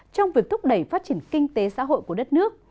trong việc thúc đẩy phát triển kinh tế xã hội của đất nước